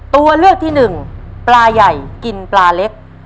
ตัวเลือกที่หนึ่งปลาใหญ่กินปลาเล็ก